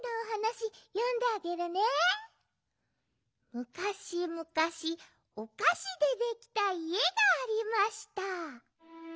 むかしむかしおかしでできたいえがありました。